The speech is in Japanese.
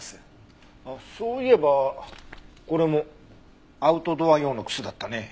あっそういえばこれもアウトドア用の靴だったね。